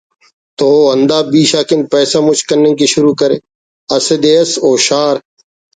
تو او ہندا بیش اکن پیسہ مچ کننگءِ شروع کرے اسہ دے اس او شار